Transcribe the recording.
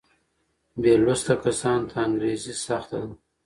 بې لوسته کسانو ته انګرېزي سخته ده.